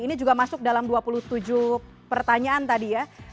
ini juga masuk dalam dua puluh tujuh pertanyaan tadi ya